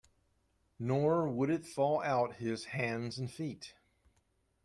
Nor would it thaw out his hands and feet.